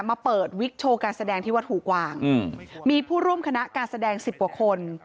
มาเปิดวิกโชว์การแสดงที่วัดหูกวางมีผู้ร่วมคณะการแสดงสิบกว่าคน